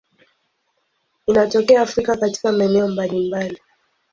Inatokea Afrika katika maeneo mbalimbali.